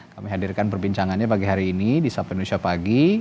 kami hadirkan perbincangannya pagi hari ini di sapa indonesia pagi